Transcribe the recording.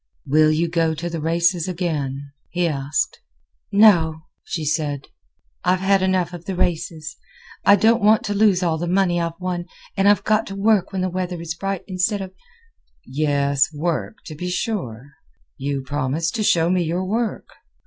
"Will you go to the races again?" he asked. "No," she said. "I've had enough of the races. I don't want to lose all the money I've won, and I've got to work when the weather is bright, instead of—" "Yes; work; to be sure. You promised to show me your work.